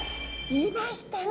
いましたね。